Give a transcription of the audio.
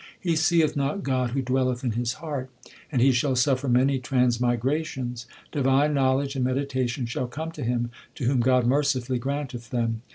He seeth not God who dwelleth in his heart, and he shall suffer many transmigrations. Divine knowledge and meditation shall come to him To whom God mercifully granteth them.